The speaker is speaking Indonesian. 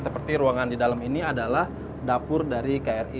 seperti ruangan di dalam ini adalah dapur dari kri